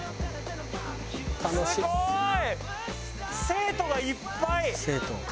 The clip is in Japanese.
すごい！